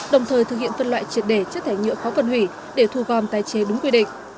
đồng thời thực hiện phân loại triệt để chất thải nhựa khó phân hủy để thu gom tái chế đúng quy định